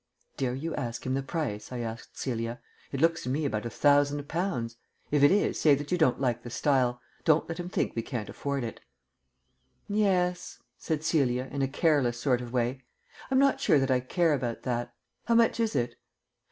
"Dare you ask him the price?" I asked Celia. "It looks to me about a thousand pounds. If it is, say that you don't like the style. Don't let him think we can't afford it." "Yes," said Celia, in a careless sort of way. "I'm not sure that I care about that. How much is it?"